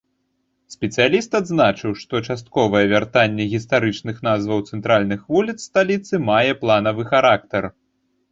Спецыяліст адзначыў, што частковае вяртанне гістарычных назваў цэнтральных вуліц сталіцы мае планавы характар.